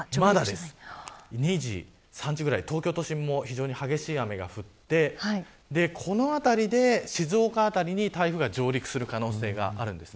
２時、３時ぐらい東京都心も非常に激しい雨が降ってこのあたりで、静岡辺りに台風が上陸する可能性があるんです。